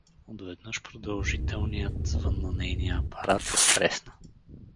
Отведнъж продължителният звън на нейния апарат я стресна.